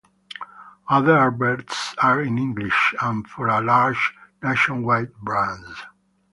Other adverts are in English and for larger nationwide brands.